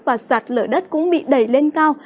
và sọt lở đất cũng bị đẩy lên cao